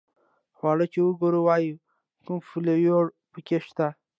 خواړه چې وګوري وایي کوم فلېور په کې شته.